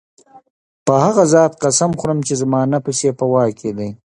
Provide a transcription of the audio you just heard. په هغه ذات قسم خورم چي زما نفس ئي په واك كي دی